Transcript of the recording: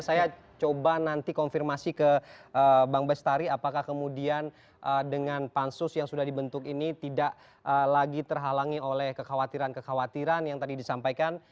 saya coba nanti konfirmasi ke bang bestari apakah kemudian dengan pansus yang sudah dibentuk ini tidak lagi terhalangi oleh kekhawatiran kekhawatiran yang tadi disampaikan